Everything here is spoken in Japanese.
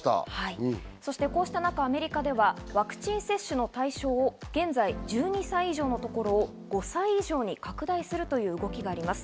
こうした中、アメリカではワクチン接種の対象を現在１２歳以上のところを５歳以上に拡大するという動きがあります。